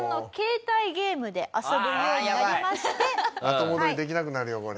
後戻りできなくなるよこれ。